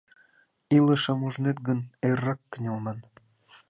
— Илышым ужнет гын, эррак кынелман.